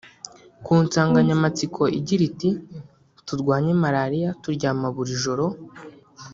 ku nsanganyamatsiko igira iti “Turwanye Malaria turyama buri joro